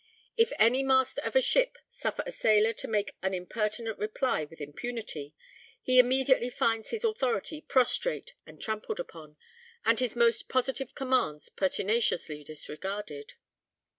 If any master of a ship suffer a sailor to make an impertinent reply with impunity, he immediately finds his authority prostrate and trampled upon, and his most positive commands pertinaciously disregarded.